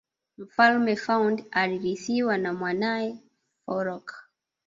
mfalme faund alirithiwa na mwanae farouk